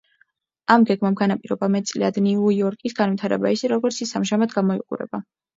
ამ გეგმამ განაპირობა მეტწილად ნიუ-იორკის განვითარება ისე, როგორც ის ამჟამად გამოიყურება.